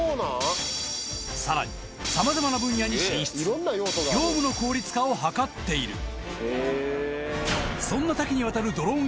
さらにさまざまな分野に進出業務の効率化を図っているそんな多岐にわたる